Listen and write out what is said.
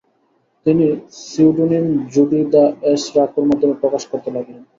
তিনি সিউডোনিম জোর্ডি দ্য'এস রাকোর মাধ্যমে প্রকাশ করতে লাগলেন।